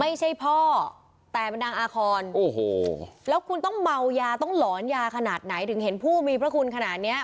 ไม่ใช่พ่อแต่มันดังอาคอนโอ้โหแล้วคุณต้องเมายาต้องหลอนยาขนาดไหนถึงเห็นผู้มีพระคุณขนาดเนี้ย